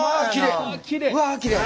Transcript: うわきれい！